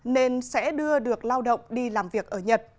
nên sẽ đưa được lao động đi làm việc ở nhật